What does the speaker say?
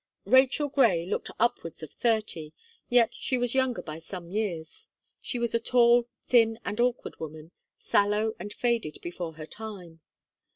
Rachel Gray looked upwards of thirty, yet she was younger by some years. She was a tall, thin, and awkward woman, sallow and faded before her time.